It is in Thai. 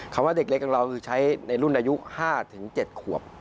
ว่าเด็กเล็กของเราคือใช้ในรุ่นอายุ๕๗ขวบ